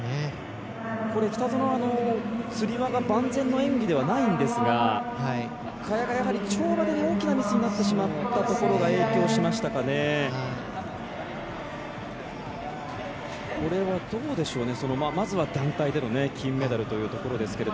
北園、つり輪が万全な演技ではないんですが萱が跳馬で大きなミスになってしまったところが影響しましたかね。